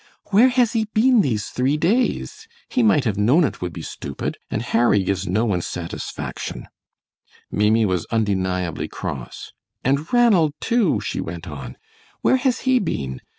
"Where has he been these three days! He might have known it would be stupid, and Harry gives one no satisfaction." Maimie was undeniably cross. "And Ranald, too," she went on, "where has he been?